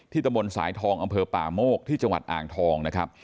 ตะบนสายทองอำเภอป่าโมกที่จังหวัดอ่างทองนะครับ